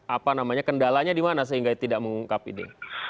apa namanya kendalanya di mana sehingga tidak mengungkap ini